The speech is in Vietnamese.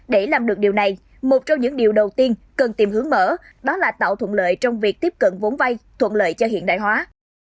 để làm được điều này một trong những điều đầu tiên cần tìm hướng mở đó là tạo thuận lợi trong việc tiếp cận vốn vay thuận lợi cho hiện đại hóa